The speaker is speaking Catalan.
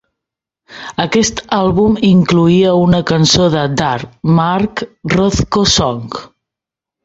Aquest àlbum incloïa una cançó de Dar: Mark Rothko Song.